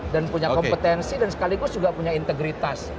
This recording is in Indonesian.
dan punya kompetensi dan sekaligus juga punya integritas